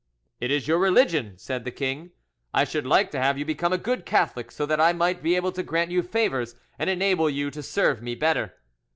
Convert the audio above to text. "'It is your religion,' said the king. 'I should like to have you become a good Catholic, so that I might be able to grant you favours and enable you to serve me better.